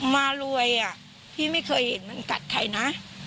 มารวยอ่ะพี่ไม่เคยเห็นมันกัดใครนะ